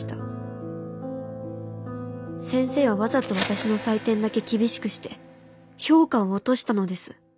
先生はわざと私の採点だけ厳しくして評価を落としたのです。